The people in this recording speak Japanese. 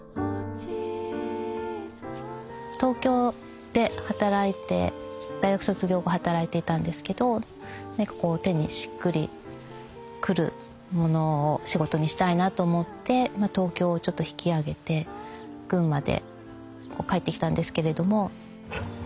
東京で働いて大学卒業後働いていたんですけどなんかこう手にしっくりくるものを仕事にしたいなと思って東京をちょっと引き揚げて群馬でこう帰ってきたんですけれども。